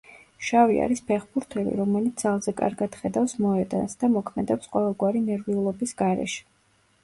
შავი არის ფეხბურთელი, რომელიც ძალზე კარგად ხედავს მოედანს და მოქმედებს ყოველგვარი ნერვიულობის გარეშე.